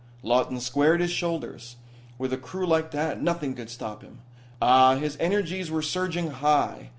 Lawton squared his shoulders. With a crew like that nothing could stop him! Ah, his energies were surging high.